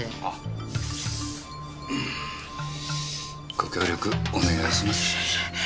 ご協力お願いします。